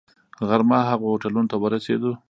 غرمه هغو هوټلونو ته ورسېدو.